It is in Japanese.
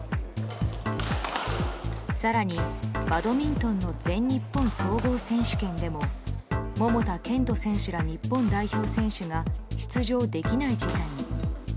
更に、バドミントンの全日本総合選手権でも桃田賢斗選手ら日本代表選手が出場できない事態に。